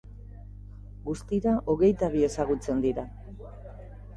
Guztira hogeita bi ezagutzen dira.